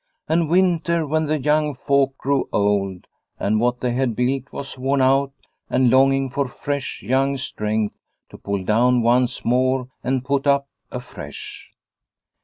And winter, when the young folk grew old and what they had built was worn out and longing for fresh young strength to pull down once more and put up afresh.